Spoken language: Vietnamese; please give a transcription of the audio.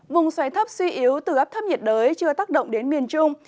vùng xoáy thấp suy yếu từ áp thấp nhiệt đới chưa tác động đến miền trung